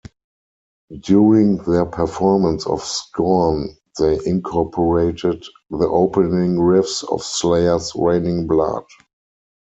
During their performance of "Scorn" they incorporated the opening riffs of Slayer's "Raining Blood.